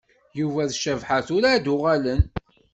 Yuba d Cabḥa tura ad uɣalen.